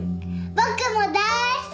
僕も大好き！